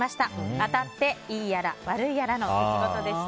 当たっていいやら悪いやらの出来事でした。